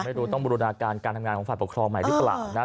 ไม่รู้ต้องบูรณาการการทำงานของฝ่ายปกครองใหม่หรือเปล่านะ